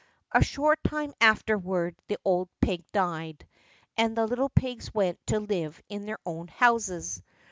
A short time afterward the old pig died, and the little pigs went to live in their own houses.